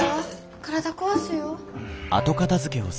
体壊すよ。